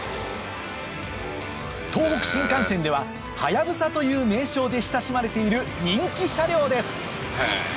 東北新幹線では「はやぶさ」という名称で親しまれている人気車両です